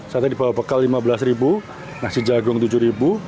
satu dibawa bekal rp lima belas nasi jagung rp tujuh